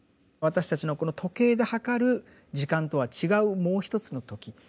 私たちのこの時計で計る時間とは違うもう一つの「時」。